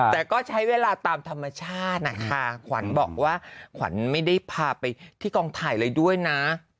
แต่ก็ใช้เวลาตามธรรมชาตินะคะขวัญบอกว่าขวัญไม่ได้พาไปที่กองถ่ายเลยด้วยนะ